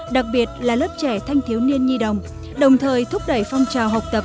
đặc biệt là lớp trẻ thanh thiếu niên nhi đồng đồng thời thúc đẩy phong trào học tập